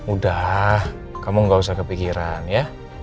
udah kamu gak usah kepikiran ya